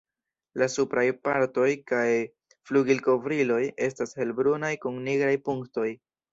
La supraj partoj kaj flugilkovriloj estas helbrunaj kun nigraj punktoj.